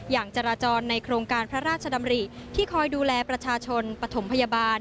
อย่างจราจรในโครงการพระราชดำริที่คอยดูแลประชาชนปฐมพยาบาล